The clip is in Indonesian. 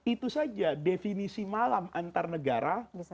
itu saja definisi malam antar negara